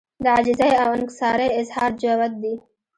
د عاجزۍاو انکسارۍ اظهار جوت دی